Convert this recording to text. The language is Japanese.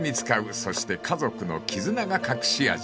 ［そして家族の絆が隠し味］